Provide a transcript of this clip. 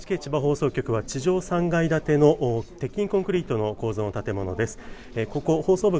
ＮＨＫ千葉放送局は地上３階建の鉄筋コンクリートの構造の建物です。